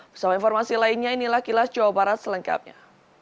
bersama informasi lainnya inilah kilas jawa barat selengkapnya